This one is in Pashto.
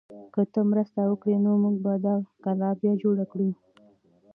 که ته مرسته وکړې نو موږ به دا کلا بیا جوړه کړو.